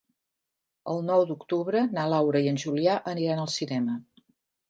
El nou d'octubre na Laura i en Julià aniran al cinema.